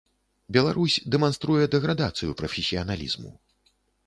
Беларусь дэманструе дэградацыю прафесіяналізму.